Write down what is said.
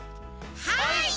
はい！